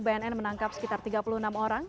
bnn menangkap sekitar tiga puluh enam orang